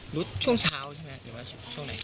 หรือช่วงเช้าใช่ไหม